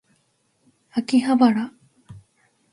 秋葉原